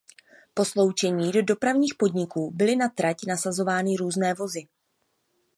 Po sloučení do "Dopravních podniků" byly na trať nasazovány různé vozy.